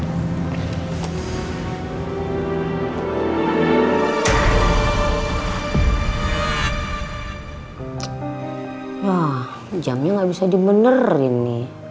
wah jamnya nggak bisa dimenerin nih